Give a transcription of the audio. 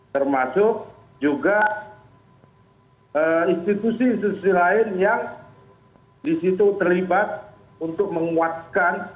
termasuk juga institusi institusi lain yang disitu terlibat untuk menguatkan